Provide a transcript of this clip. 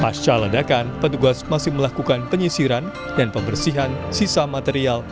pasca ledakan petugas masih melakukan penyisiran dan pembersihan sisa material